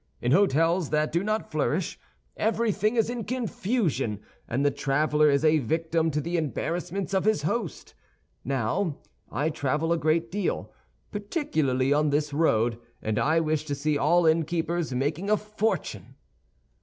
In hôtels that do not flourish, everything is in confusion, and the traveler is a victim to the embarrassments of his host. Now, I travel a great deal, particularly on this road, and I wish to see all innkeepers making a fortune."